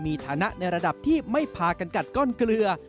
มีฐานะในระดับที่ไม่พากันกัดก้อนเกลือ